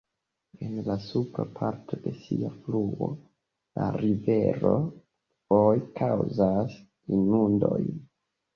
En la supra parto de sia fluo la rivero foje kaŭzas inundojn.